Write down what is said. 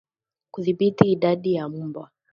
Kudhibiti idadi ya mbwa